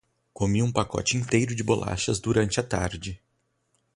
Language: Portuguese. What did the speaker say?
Comi um pacote inteiro de bolachas durante a tarde.